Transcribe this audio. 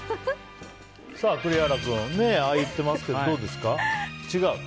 栗原君ああ言っていますけどどうですか？